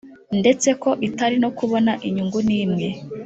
Ndetse ko itari no kubona inyungu n imwe